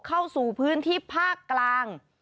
เข้าสู่พื้นที่ภาคกลาง